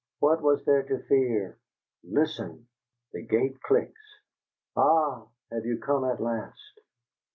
What was there to fear? Listen! The gate clicks. Ah, have you come at last?